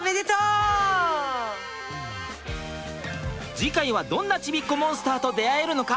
次回はどんなちびっこモンスターと出会えるのか？